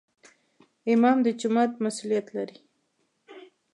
امام د جومات مسؤولیت لري